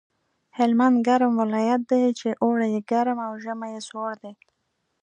هلمند ګرم ولایت دی چې اوړی یې ګرم او ژمی یې سوړ دی